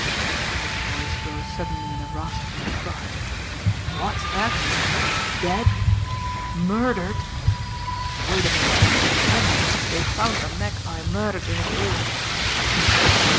His voice rose suddenly in a rasping cry. "What's that! Dead! Murdered! Wait a minute! Kenleigh, they've found the Magpie murdered in his room!"